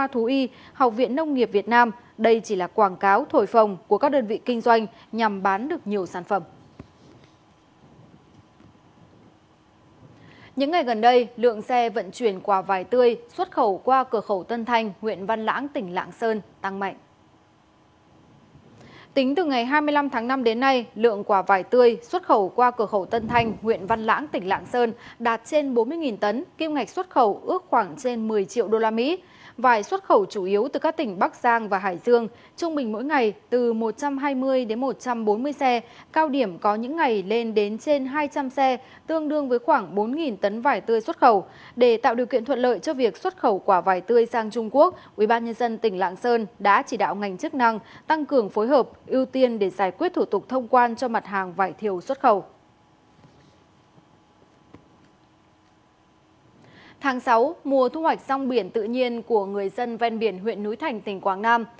tháng sáu mùa thu hoạch song biển tự nhiên của người dân ven biển huyện núi thành tỉnh quảng nam